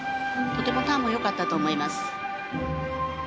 とてもターンもよかったと思います。